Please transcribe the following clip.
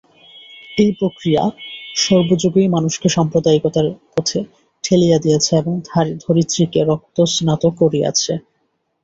এই প্রক্রিয়া সর্বযুগেই মানুষকে সাম্প্রদায়িকতার পথে ঠেলিয়া দিয়াছে এবং ধরিত্রীকে রক্তস্নাত করিয়াছে।